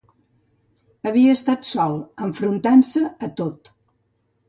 Havia estat sol: enfrontant-se a tot.